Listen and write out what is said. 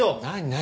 何？